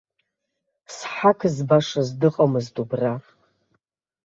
Сҳақ збашаз дыҟамызт убра!